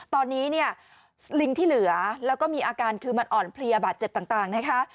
ตอนนี้เนี่ยลิงที่เหลือแล้วก็มีอาการคือมันอ่อนเพลียบาดเจ็บต่างนะคะ